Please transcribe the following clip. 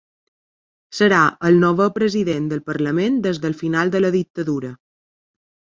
Serà el novè president del parlament des del final de la dictadura.